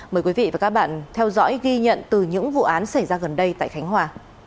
mời quý vị và các bạn theo dõi ghi nhận từ những vụ án xảy ra gần đây tại khánh hòa